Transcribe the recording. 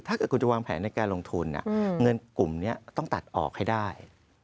ถ้าเกิดคุณจะวางแผนในการลงทุนเงินกลุ่มนี้ต้องตัดออกให้ได้